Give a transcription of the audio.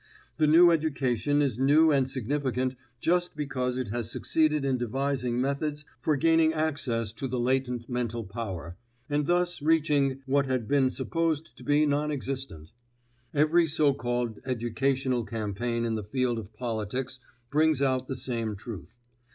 The new education is new and significant just because it has succeeded in devising methods for gaining access to the latent mental power, and thus reaching what had been supposed to be non existent. Every so called educational campaign in the field of politics brings out the same truth.